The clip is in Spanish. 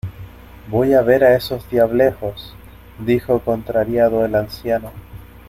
¡Voy a ver a esos diablejos! dijo contrariado el anciano.